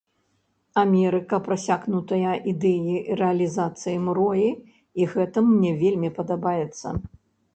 Амерыка прасякнутая ідэяй рэалізацыі мроі і гэтым мне вельмі падабаецца.